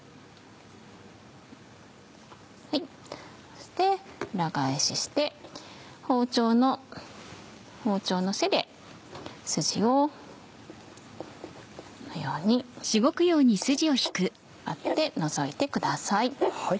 そして裏返しして包丁の背でスジをこのように当てて除いてください。